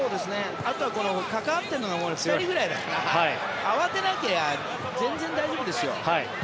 あとはかかっているのが２人ぐらいだから慌てなければ全然大丈夫ですよ。